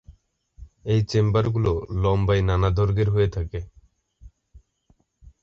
এই চেম্বার গুলি লম্বায় নানা দৈর্ঘ্যের হয়ে থাকে।